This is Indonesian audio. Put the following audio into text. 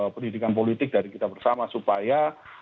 pendidikan politik dari kita bersama supaya